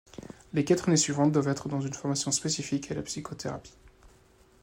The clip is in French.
Les quatre années suivantes doivent être dans une formation spécifique à la psychothérapie.